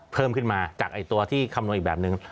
เพิ่มขึ้นมาจากตัวที่คำนวณอีกแบบนึง